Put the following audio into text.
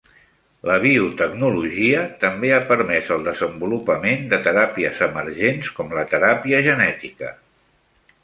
La biotecnologia també ha permès el desenvolupament de teràpies emergents com la teràpia genètica.